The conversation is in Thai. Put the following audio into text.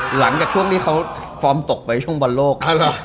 หลังจากช่วงที่เขาฟอร์มตกไปช่วงบอลโลก